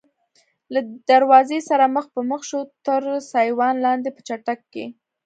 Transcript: له دروازې سره مخ په مخ شوو، تر سایوان لاندې په چټک کې.